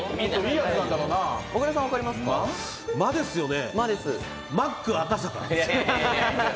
「ま」ですよね。